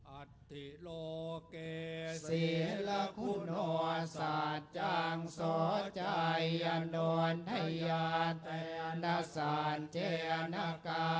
อัธิโลเกสิลคุณวาสาจังสวจัยยานวนไทยาแต่อันดัสานเจอนกา